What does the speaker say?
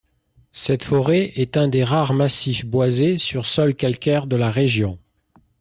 Cette forêt est un des rares massifs boisés sur sol calcaire de la région.